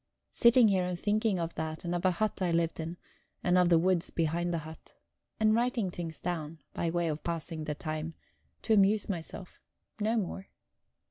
Sitting here thinking of that, and of a hut I lived in, and of the woods behind the hut. And writing things down, by way of passing the time; to amuse myself, no more.